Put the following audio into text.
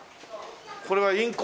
これはインコ？